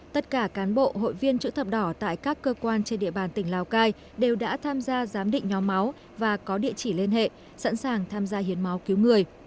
tất cả cán bộ hội viên chữ thập đỏ tại các cơ quan trên địa bàn tỉnh lào cai đều đã tham gia giám định nhóm máu và có địa chỉ liên hệ sẵn sàng tham gia hiến máu cứu người